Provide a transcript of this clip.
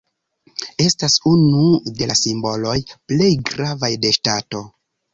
Estas unu de la simboloj plej gravaj de ŝtato.